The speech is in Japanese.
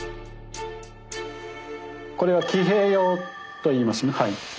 これは「騎兵俑」といいますね。